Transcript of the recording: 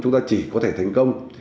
chúng ta chỉ có thể thành công